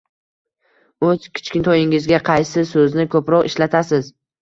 O‘z kichkintoyingizga qaysi so‘zni ko‘proq ishlatasiz